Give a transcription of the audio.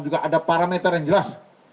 juga ada parameter yang jelas